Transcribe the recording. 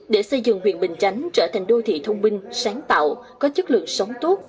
để xây dựng huyện bình chánh trở thành đô thị thông minh sáng tạo có chất lượng sống tốt